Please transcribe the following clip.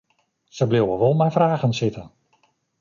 Se bliuwe wol mei fragen sitten.